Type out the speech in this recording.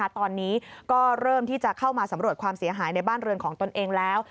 ตอนนี้ก็เริ่มที่จะเข้ามาสำรวจความเสียหายในบ้านเรือนของตนเองแล้ว